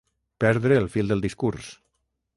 Perdre el fil del discurs.